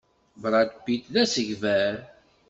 Brad Pitt d asegbar.